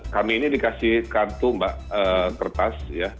kami ini dikasih kartu mbak kertas